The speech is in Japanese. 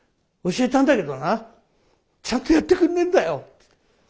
教えたんだけどなちゃんとやってくんねえんだよ。